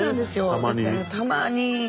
たまに。